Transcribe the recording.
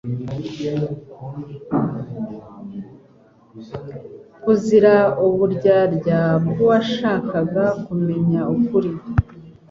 buzira uburyarya bw’uwashakaga kumenya ukuri